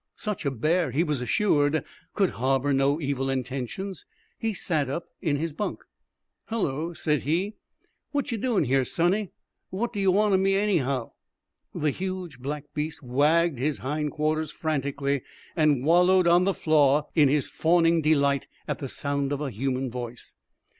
Such a bear, he was assured, could harbor no evil intentions. He sat up in his bunk. "Hullo!" said he. "What ye doin' here, sonny? What d'ye want o' me, anyhow?" The huge black beast wagged his hindquarters frantically and wallowed on the floor in his fawning delight at the sound of a human voice.